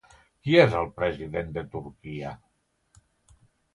Qui és el president de Turquia?